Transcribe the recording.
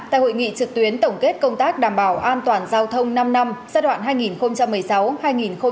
tại hội nghị trực tuyến tổng kết công tác đảm bảo an toàn giao thông năm năm giai đoạn hai nghìn một mươi sáu hai nghìn hai mươi